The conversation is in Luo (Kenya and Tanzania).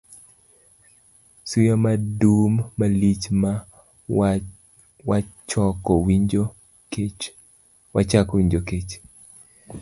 Suya madum malich ma wachako winjo kech